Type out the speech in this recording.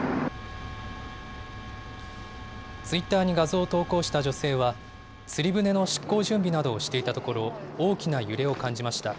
ツイッターに画像を投稿した女性は、釣り船の出航準備などをしていたところ、大きな揺れを感じました。